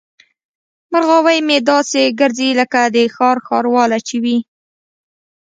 مرغاوۍ مې داسې ګرځي لکه د ښار ښارواله چې وي.